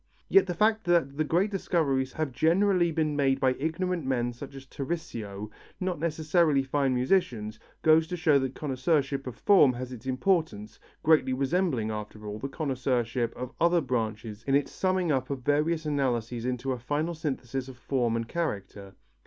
Yet the fact that the great discoveries have generally been made by ignorant men like Tarisio, not necessarily fine musicians, goes to show that connoisseurship of form has its importance, greatly resembling after all, the connoisseurship of other branches in its summing up of various analyses into a final synthesis of form and character.